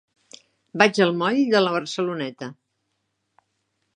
Vaig al moll de la Barceloneta.